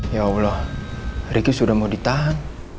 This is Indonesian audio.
ya allah riki sudah mau ditahan